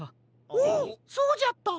おおそうじゃった。